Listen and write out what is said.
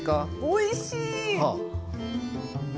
おいしい！